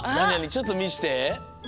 ちょっとみして。